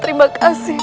terima kasih yunda